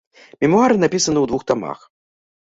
Мемуары напісаны ў двух тамах.